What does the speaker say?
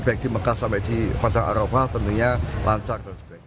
baik di mekah sampai di padang arova tentunya lancar